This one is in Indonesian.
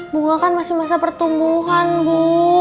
bunga kan masih masa pertumbuhan bu